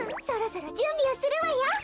そろそろじゅんびをするわよ！